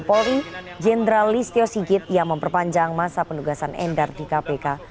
polri jenderal listio sigit yang memperpanjang masa penugasan endar di kpk